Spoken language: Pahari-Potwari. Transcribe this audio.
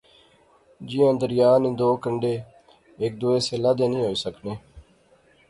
جیاں دریا نے دو کنڈے ہیک دوے سے لادے نئیں ہوئی سکنے